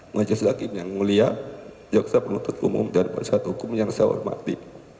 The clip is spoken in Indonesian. majlis lagi yang mulia jaksa penuntut umum dan penyatukum yang saya hormati